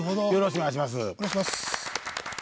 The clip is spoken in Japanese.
よろしくお願いします。